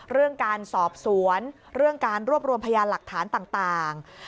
เรื่องการสอบสวนเรื่องการรวบรวมพยานหลักฐานต่าง